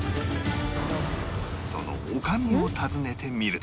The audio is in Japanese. その女将を訪ねてみると